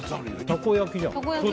たこ焼きじゃん。